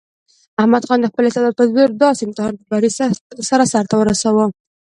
احمد خان د خپل استعداد په زور داسې امتحان په بري سره سرته ورساوه.